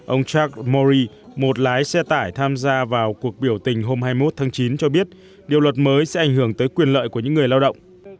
ông charles mori một lái xe tải tham gia vào cuộc biểu tình hôm hai mươi một tháng chín cho biết điều luật mới sẽ ảnh hưởng tới quyền lợi của những người lao động